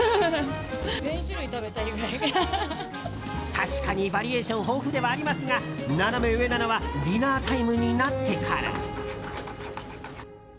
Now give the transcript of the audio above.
確かにバリエーション豊富ではありますがナナメ上なのはディナータイムになってから。